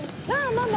ママ？